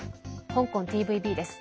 香港ＴＶＢです。